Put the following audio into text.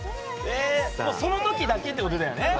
その時だけってことだよね？